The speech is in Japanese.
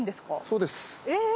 そうです。